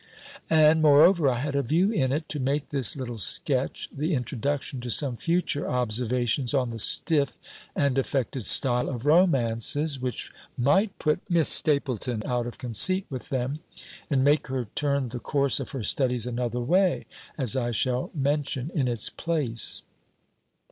And moreover, I had a view in it, to make this little sketch the introduction to some future observations on the stiff and affected style of romances, which might put Miss Stapylton out of conceit with them, and make her turn the course of her studies another way, as I shall mention in its place.